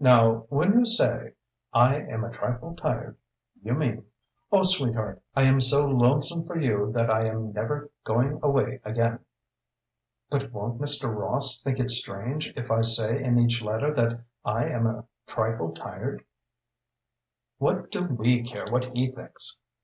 Now, when you say 'I am a trifle tired,' you mean 'Oh, sweetheart, I am so lonesome for you that I am never going away again!'" "But won't Mr. Ross think it strange if I say in each letter that I am a trifle tired?" "What do we care what he thinks?